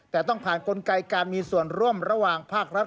แต่ต้องผ่านกลไกการมีส่วนร่วมระหว่างภาครัฐ